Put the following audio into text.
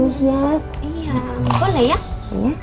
iya boleh ya